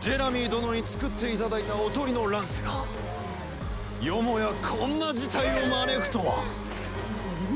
ジェラミー殿に作っていただいたおとりのランスがよもやこんな事態を招くとは。